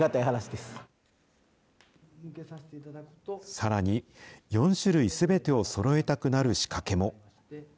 さらに、４種類すべてをそろえたくなる仕掛けも。